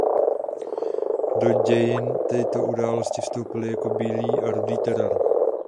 Do dějin tyto události vstoupily jako Bílý a Rudý teror.